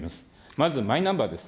まずマイナンバーです。